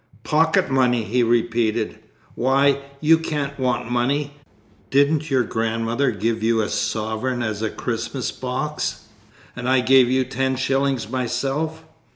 "Pocket money!" he repeated, "why, you can't want money. Didn't your grandmother give you a sovereign as a Christmas box? And I gave you ten shillings myself!"